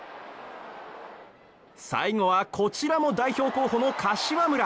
最後はこちらも代表候補の柏村。